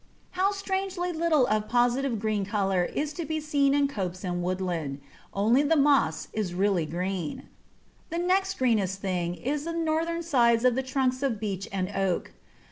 How strangely little of positive green colour is to be seen in copse and woodland. Only the moss is really green. The next greenest thing is the northern sides of the trunks of beech and oak.